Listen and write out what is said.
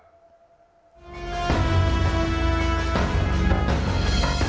ตึกโบสถ์